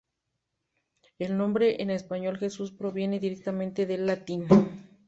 El nombre en español, Jesús, proviene directamente del latín.